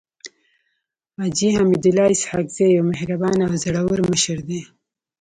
حاجي حميدالله اسحق زی يو مهربانه او زړور مشر دی.